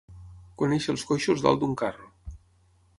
Conèixer els coixos dalt d'un carro.